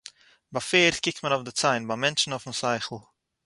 בײַ פֿערד קוקט מען אויף די ציין; בײַ אַ מענטשן אויפֿן שׂכל.